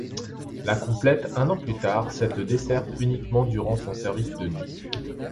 La complète un an plus tard cette desserte uniquement durant son service de nuit.